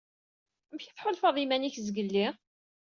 Amek i tḥulfaḍ iman-ik zgelli?